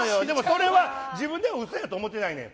それは自分では嘘やと思ってないねん！